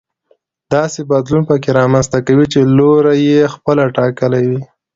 داسې بدلون پکې رامنځته کوي چې لوری يې خپله ټاکلی وي.